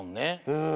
うん。